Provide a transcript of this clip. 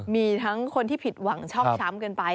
มีทั้งคนที่ผิดหวังชอกช้ำกันไป